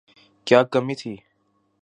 کیا کمی تھی۔